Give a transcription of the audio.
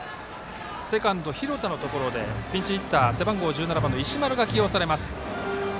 セカンド廣田のところでピンチヒッター、背番号１７の石丸が起用されます。